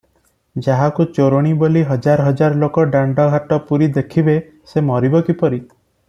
ଯାହାକୁ ଚୋରଣୀ ବୋଲି ହଜାର ହଜାର ଲୋକ ଦାଣ୍ଡଘାଟ ପୂରି ଦେଖିବେ ସେ ମରିବ କିପରି?